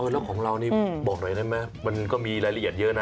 แล้วของเรานี่บอกหน่อยได้ไหมมันก็มีรายละเอียดเยอะนะ